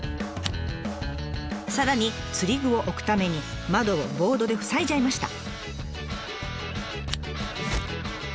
さらに釣具を置くために窓をボードで塞いじゃいました。